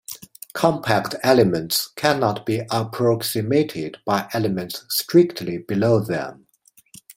Compact elements cannot be approximated by elements strictly below them.